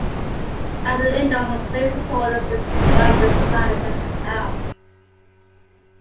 Avellino has many supporters despite the size of the town.